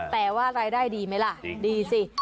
แต่ว่ารายได้ดีไหมล่ะดีสิ